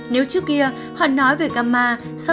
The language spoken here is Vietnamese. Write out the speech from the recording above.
nếu trước kia họ nói về gamma